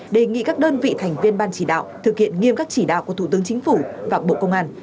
đề nghị các đơn vị thành viên ban chỉ đạo thực hiện nghiêm các chỉ đạo của thủ tướng chính phủ và bộ công an